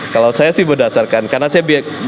kalau saya sih berdasarkan karena saya